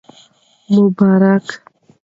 مبارکي